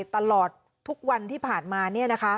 ตลอดทุกวันที่ผ่านมาเนี่ยนะคะ